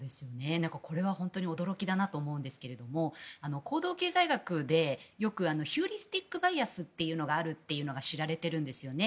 これは本当に驚きだなと思うんですが行動経済学でよくヒューリスティック・バイアスというのがあるっていうのが知られているんですよね。